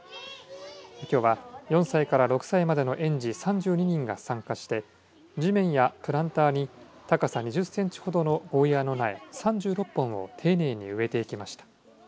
きょうは４歳から６歳までの園児３２人が参加して地面やプランターに高さ２０ｃｍほどのゴーヤーの苗３６本を丁寧に植えていきました。